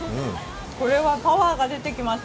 これはパワーが出てきます。